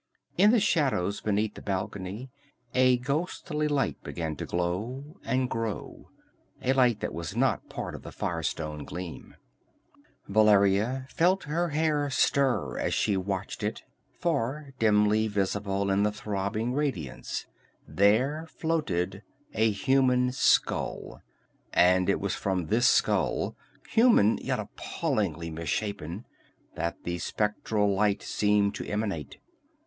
In the shadows beneath the balcony a ghostly light began to glow and grow, a light that was not part of the fire stone gleam. Valeria felt her hair stir as she watched it; for, dimly visible in the throbbing radiance, there floated a human skull, and it was from this skull human yet appallingly misshapen that the spectral light seemed to emanate.